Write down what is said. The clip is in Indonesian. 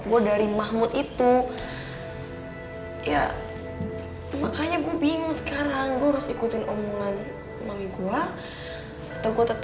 wah megan megan